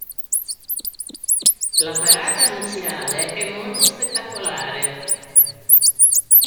La parata nuziale è molto spettacolare.